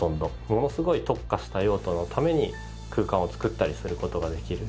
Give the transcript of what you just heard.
ものすごい特化した用途のために空間を作ったりする事ができる。